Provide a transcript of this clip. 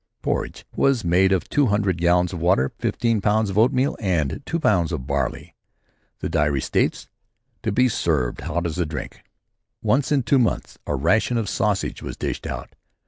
Porridge was made of two hundred gallons of water, fifteen pounds of oatmeal and two pounds of barley. The diary states: "To be served hot as a drink." Once in two months a ration of sausage was dished out.